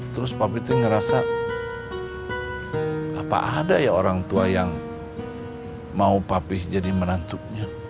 terus papi itu ngerasa apa ada ya orang tua yang mau papih jadi menantunya